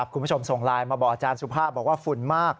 คุณผู้ชมส่งไลน์มาบอกอาจารย์สุภาพบอกว่าฝุ่นมาก